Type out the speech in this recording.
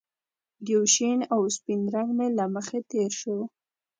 یو شین او سپین رنګ مې له مخې تېر شو